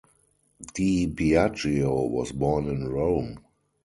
Di Biagio was born in Rome.